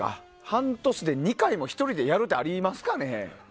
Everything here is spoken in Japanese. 半年で２回も１人でやるってありますかね。